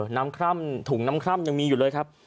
คร่ำถุงน้ำคร่ำยังมีอยู่เลยครับ